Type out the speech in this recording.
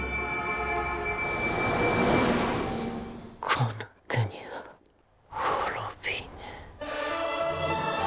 この国は滅びぬ。